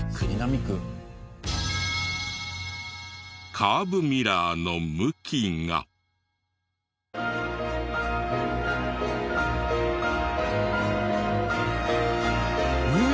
カーブミラーの向きが。えっ？